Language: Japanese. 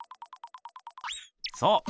そう！